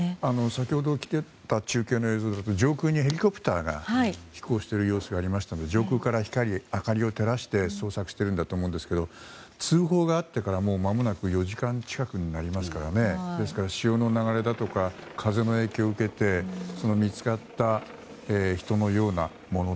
先ほど来ていた中継の映像ですと上空にヘリコプターが飛行している様子がありましたので上空から明かりを照らして捜索しているんだと思うんですが通報があってからもうまもなく４時間近くになりますから潮の流れや風の影響を受けて見つかった人のようなもの